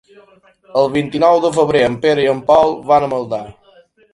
El vint-i-nou de febrer en Pere i en Pol van a Maldà.